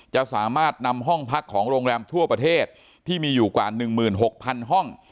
จะสามารถนำห้องพักของโรงแรมทั่วประเทศที่มีอยู่กว่าหนึ่งหมื่นหกพันห้อง